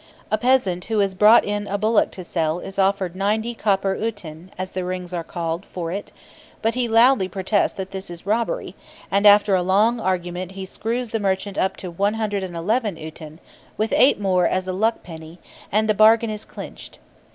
A peasant who has brought in a bullock to sell is offered 90 copper "uten" (as the rings are called) for it; but he loudly protests that this is robbery, and after a long argument he screws the merchant up to 111 "uten," with 8 more as a luck penny, and the bargain is clinched.